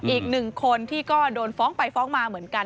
อีกหนึ่งคนที่ก็โดนฟ้องไปฟ้องมาเหมือนกัน